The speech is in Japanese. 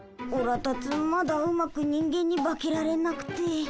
オラたちまだうまく人間に化けられなくて。